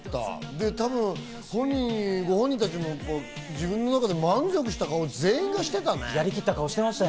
で、多分ご本人たちも自分の中で満足した顔をしてたね。